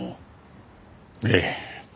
ええ。